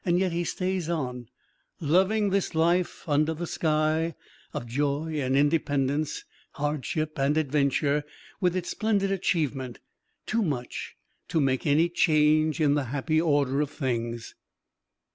Yet he stays on, loving this life under the sky, of joy and independence, hardship and adventure, with its splendid achievement, too much to make any change in the happy order of things.